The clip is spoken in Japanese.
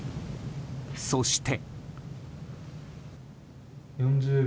そして。